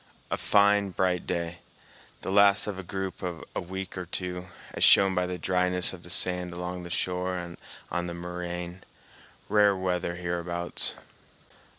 A fine, bright day, the last of a group of a week or two, as shown by the dryness of the sand along the shore and on the moraine—rare weather hereabouts.